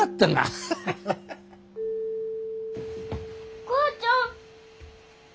・お母ちゃん！